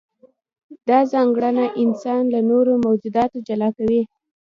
دا ځانګړنه انسان له نورو موجوداتو جلا کوي.